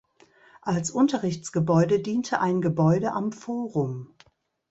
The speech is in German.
Als Unterrichtsgebäude diente ein Gebäude am Forum.